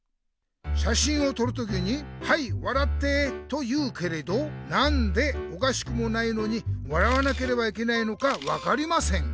「しゃしんをとる時に『はい笑って』と言うけれどなんでおかしくもないのに笑わなければいけないのか分かりません。